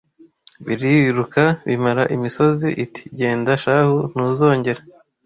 Biriruka bimara imisozi, iti genda shahu ntuzongera